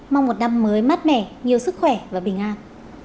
mong một năm mới mát mẻ nhiều sức khỏe và bình an